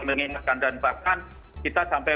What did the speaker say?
mengingatkan dan bahkan kita sampai